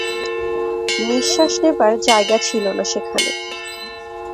নিঃশ্বাস নেবার জায়গা ছিল না সেখানে।